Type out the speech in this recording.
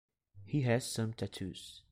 He has some Tattoos.